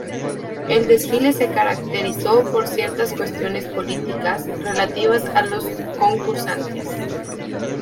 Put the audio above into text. El desfile se caracterizó por ciertas cuestiones políticas relativas a los concursantes.